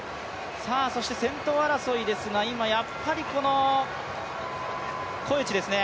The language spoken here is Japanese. そして先頭争いですが、今やっぱりコエチですね。